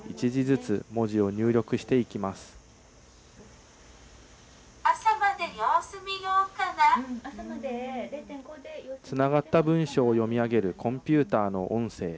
つながった文章を読み上げるコンピューターの音声。